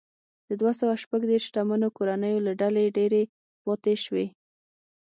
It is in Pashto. د دوه سوه شپږ دېرش شتمنو کورنیو له ډلې ډېرې پاتې شوې.